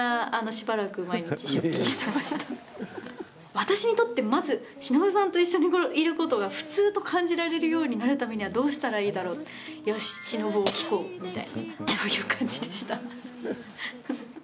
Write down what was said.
私にとってまず、しのぶさんと一緒にいることが普通と感じられるようになるためにはどうしたらいいだろう。みたいなそういう感じでした。